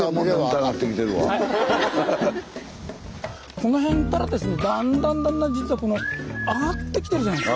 この辺からだんだんだんだん実は上がってきてるじゃないですか。